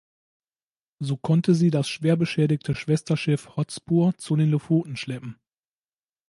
So konnte sie das schwer beschädigte Schwesterschiff "Hotspur" zu den Lofoten schleppen.